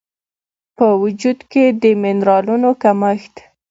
په وجود کې د مېنرالونو کمښت